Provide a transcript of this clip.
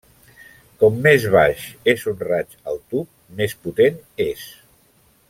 Com més baix és un raig al tub, més potent és.